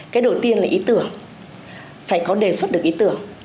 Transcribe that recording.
cái đầu tiên là ý tưởng phải có đề xuất được ý tưởng